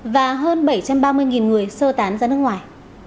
và hơn bảy trăm ba mươi người sơ tán ra nước ngoài